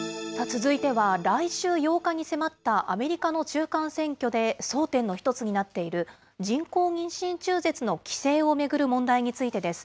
続いては、来週８日に迫ったアメリカの中間選挙で争点の１つとなっている、人工妊娠中絶の規制を巡る問題についてです。